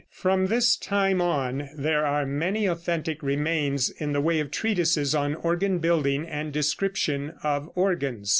] From this time on there are many authentic remains in the way of treatises on organ building and description of organs.